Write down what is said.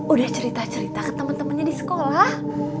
udah cerita cerita ke temen temennya di sekolah